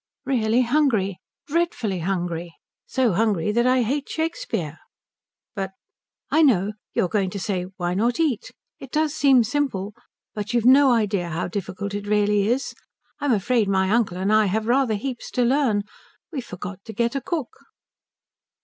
"Really hungry. Dreadfully hungry. So hungry that I hate Shakespeare." "But " "I know. You're going to say why not eat? It does seem simple. But you've no idea how difficult it really is. I'm afraid my uncle and I have rather heaps to learn. We forgot to get a cook."